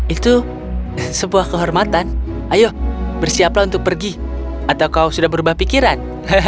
itu sebuah kehormatan ayo bersiaplah untuk pergi atau kau sudah berubah pikiran